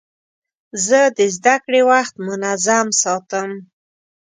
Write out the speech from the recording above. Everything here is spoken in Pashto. زه د زدهکړې وخت منظم ساتم.